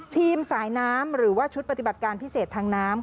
สายน้ำหรือว่าชุดปฏิบัติการพิเศษทางน้ำ